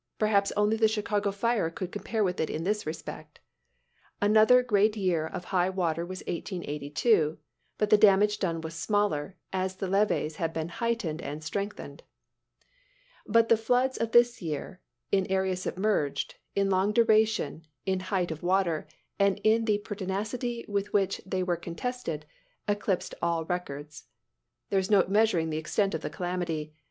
Perhaps only the Chicago fire could compare with it in this respect. Another great year of high water was 1882: but the damage done was smaller, as the levees had been heightened and strengthened. But the floods of this year, in area submerged, in long duration, in height of water, and in the pertinacity with which they were contested, eclipsed all records. There is no measuring the extent of the calamity.